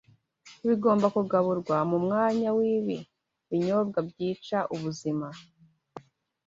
bigomba kugaburwa mu mwanya w’ibi binyobwa byica ubuzima.